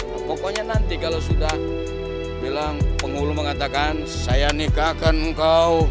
nah pokoknya nanti kalau sudah bilang penghulu mengatakan saya nikahkan engkau